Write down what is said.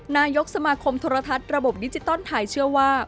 นายกสมาคมโทรทัศน์ระบบดิจิตอลไทยเชื่อว่า